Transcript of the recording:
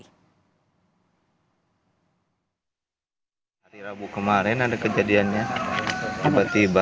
hari rabu kemarin ada kejadiannya tiba tiba